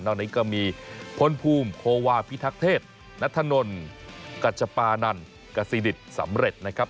ตอนนี้ก็มีพลภูมิโควาพิทักเทศนัทนกัชปานันกษีดิตสำเร็จนะครับ